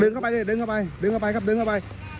เข้าไปดิดึงเข้าไปดึงเข้าไปครับดึงเข้าไป